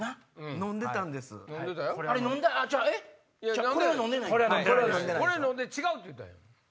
飲んで「違う」って言ったんや。